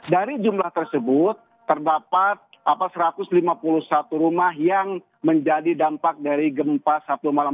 dari jumlah tersebut terdapat satu ratus lima puluh satu rumah yang menjadi dampak dari gempa sabtu malam